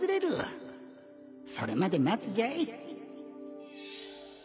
それまで待つじゃい